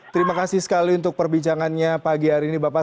terima kasih sekali untuk perbincangannya pagi hari ini bapak